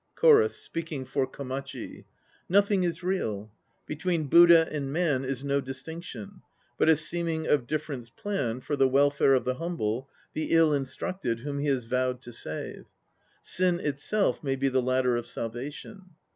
CHORUS (speaking for KOMACHI). "Nothing is real. Between Buddha and Man Is no distinction, but a seeming of difference planned For the welfare of the humble, the ill instructed, Whom he has vowed to save. Sin itself may be the ladder of salvation."